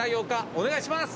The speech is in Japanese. お願いします。